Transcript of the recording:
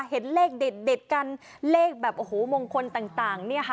เห็นเลขเด็ดกันเลขแบบโอ้โหมงคลต่างเนี่ยค่ะ